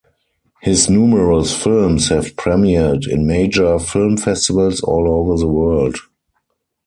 His numerous films have premiered in major film festivals all over the world.